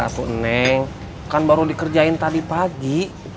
aku neng kan baru dikerjain tadi pagi